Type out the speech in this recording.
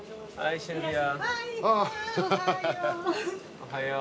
おはよう。